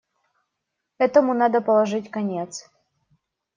Этому надо положить конец.